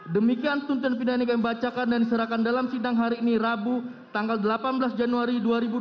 demikian tuntutan pidana yang dibacakan dan diserahkan dalam sindang hari ini rabu tanggal delapan belas januari dua ribu dua puluh tiga